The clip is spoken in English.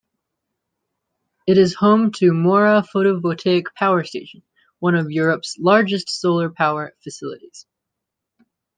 It is home to Moura Photovoltaic Power Station, one of Europe's largest solar-power facilities.